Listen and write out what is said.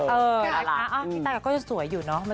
เออพี่ตาก็สวยอยู่เนาะ